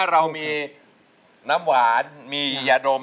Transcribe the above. เรามีน้ำหวานมียาดม